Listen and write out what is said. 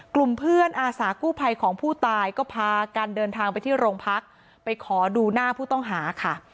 กลุ่มเพื่อนอาสากู้ภัยของผู้ตายก็พากันเดินทางไปที่โรงพักไปขอดูหน้าผู้ต้องหาค่ะ